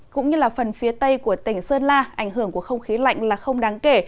cũng như phần phía tây của tỉnh sơn la ảnh hưởng của không khí lạnh là không đáng kể